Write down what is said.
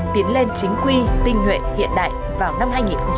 tiến lên chính quy tinh nguyện hiện đại vào năm hai nghìn hai mươi